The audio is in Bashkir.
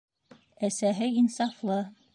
Әсәһе инсафлы.